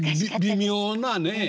微妙なね